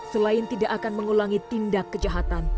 selain tidak akan mengulangi tindak kejahatan